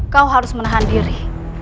kau harus menahan diri